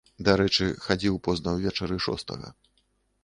Дарэчы, хадзіў позна ўвечары шостага.